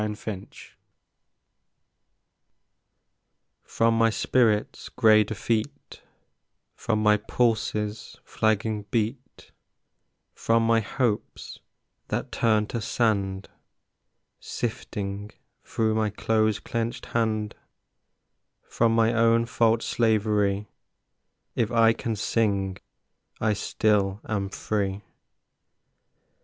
Refuge From my spirit's gray defeat, From my pulse's flagging beat, From my hopes that turned to sand Sifting through my close clenched hand, From my own fault's slavery, If I can sing, I still am free.